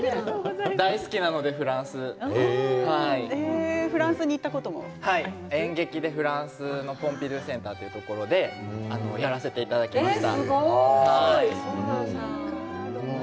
大好きなのでフランス演劇でフランスのポンピドゥー・センターというところでやらせていただきました。